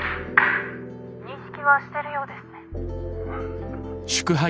認識はしてるようですね。